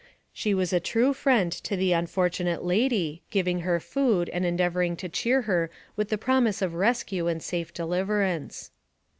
She was a true friend to the unfortunate lady, giving her food, and endeavoring to cheer her with the promise of rescue and safe deliverance.